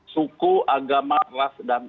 suku agama ras dan